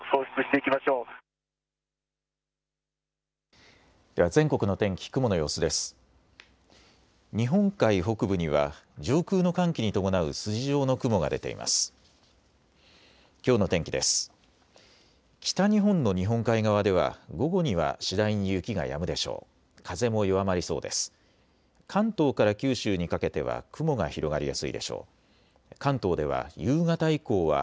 きょうの天気です。